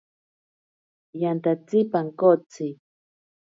Yantatsi pankotsi.